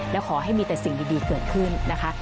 และขอให้มีแต่สิ่งดีเกิดขึ้นนะคะ